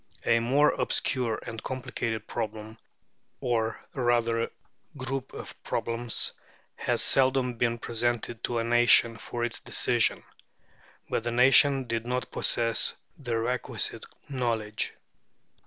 A more obscure and complicated problem, or rather group of problems, has seldom been presented to a nation for its decision. But the nation did not possess the requisite knowledge.